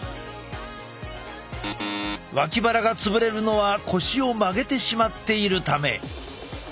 脇腹が潰れるのは腰を曲げてしまっているため。